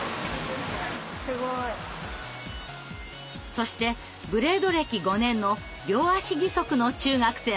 そしてブレード歴５年の両足義足の中学生も。